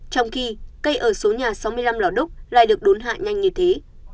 trong khi cây ở số nhà sáu mươi năm lào đốc lại được đốn hạ nhanh như thế